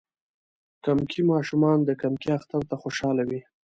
کمکي ماشومان د کمکی اختر ته خوشحاله وی.